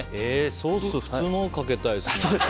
ソース、普通のかけたいですね。